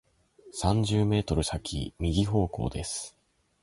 三十メートル先、右方向です。